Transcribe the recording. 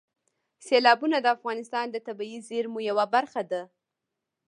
سیلابونه د افغانستان د طبیعي زیرمو یوه برخه ده.